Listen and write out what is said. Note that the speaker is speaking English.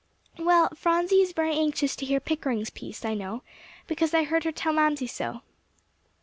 "Well, Phronsie is very anxious to hear Pickering's piece; I know, because I heard her tell Mamsie so."